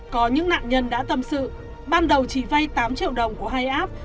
có những nạn nhân đã tâm sự ban đầu chỉ vay tám triệu đồng của hai app